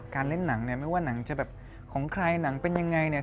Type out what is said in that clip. เล่นหนังเนี่ยไม่ว่าหนังจะแบบของใครหนังเป็นยังไงเนี่ย